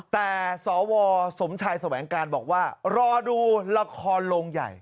แต่สวสมชายแสวงการบอกว่ารอดูละครโรงใหญ่